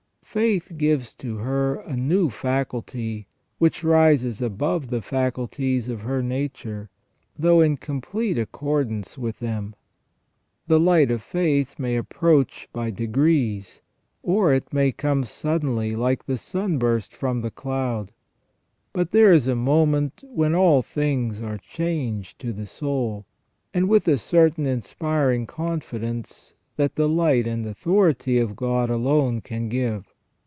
Faith gives to her a new faculty, which rises above the faculties of her nature, though in complete accordance with them. The light of faith may approach by degrees, or it may come suddenly like the sunburst from the cloud; but there is a moment when all things are changed to the soul, and with a certainty inspiring a confidence that the light and authority of God alone can give.